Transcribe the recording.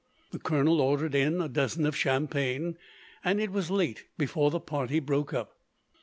The colonel ordered in a dozen of champagne, and it was late before the party broke up.